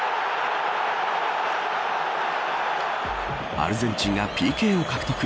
アルゼンチンがＰＫを獲得。